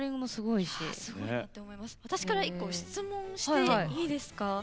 私から１個質問していいですか？